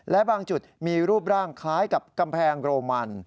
และบางจุดมีรูปร่างคล้ายกับกำแพงโรมัน